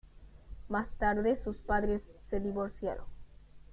Más tarde sus padres se divorciaron.